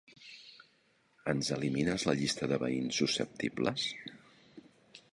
Ens elimines la llista de veïns susceptibles?